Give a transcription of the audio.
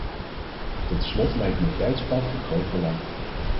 Tot slot lijkt me het tijdspad van groot belang.